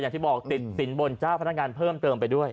อย่างที่บอกติดสินบนเจ้าพนักงานเพิ่มเติมไปด้วย